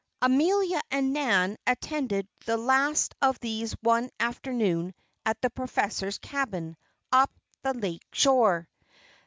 Amelia and Nan attended the last of these one afternoon at the professor's cabin, up the lake shore.